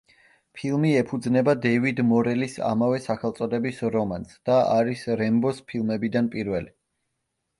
ფილმი ეფუძნება დევიდ მორელის ამავე სახელწოდების რომანს და არის „რემბოს“ ფილმებიდან პირველი.